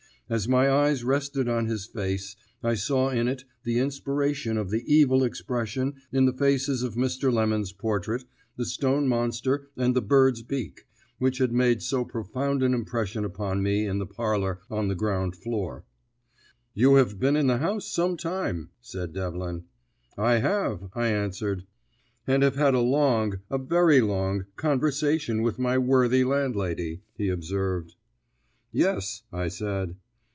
As my eyes rested on his face, I saw in it the inspiration of the evil expression in the faces of Mr. Lemon's portrait, the stone monster, and the bird's beak, which had made so profound an impression upon me in the parlour on the ground floor. "You have been in the house some time," said Devlin. "I have," I answered. "And have had a long, a very long, conversation with my worthy landlady," he observed. "Yes," I said.